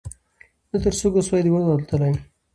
نه تر څوکو سوای د ونو الوتلای